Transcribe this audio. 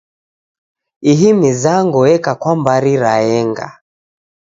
Ihi mizango eka kwa mbari raenga.